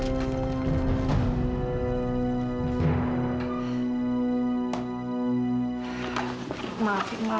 lepaskan para produknya variants sama